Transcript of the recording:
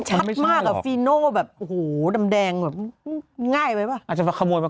ใช่ไหมมันชัดมากอ่ะแบบโหดำแดงแบบง่ายไปป่ะอาจจะมาขโมยมา